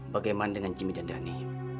bagaimana dengan jimmy dan dhani